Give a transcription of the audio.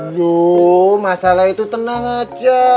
duh masalah itu tenang aja